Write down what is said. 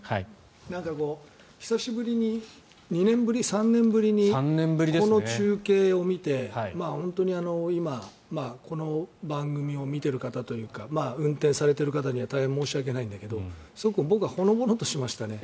なんか久しぶりに２年ぶり、３年ぶりにこの中継を見て、本当に今この番組を見ている方というか運転されている方には大変申し訳ないんだけどすごく僕はほのぼのとしましたね。